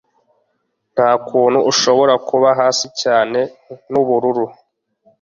nta kuntu ushobora kuba hasi cyane n'ubururu